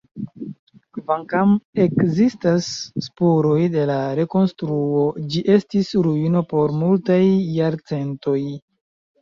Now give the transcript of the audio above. Kvankam ekzistas spuroj de la rekonstruo, ĝi estis ruino por multaj jarcentoj.